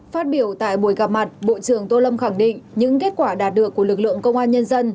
phát biểu tại buổi gặp mặt bộ trưởng tô lâm khẳng định những kết quả đạt được của lực lượng công an nhân dân